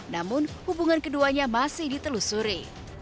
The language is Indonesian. namun hubungan keduanya masih ditelusuri